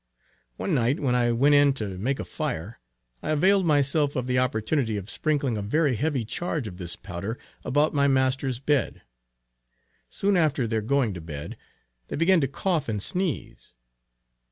One night when I went in to make a fire, I availed myself of the opportunity of sprinkling a very heavy charge of this powder about my master's bed. Soon after their going to bed, they began to cough and sneeze.